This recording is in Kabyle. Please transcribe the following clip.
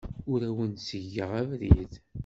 Ur awen-ttgeɣ abrid.